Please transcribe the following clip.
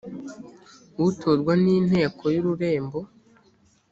utorwa n inteko y ururembo